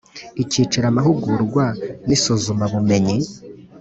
Icyiciro amahugurwa n isuzumabumenyi